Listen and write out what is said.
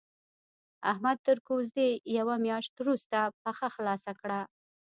احمد تر کوزدې يوه مياشت روسته پښه خلاصه کړه.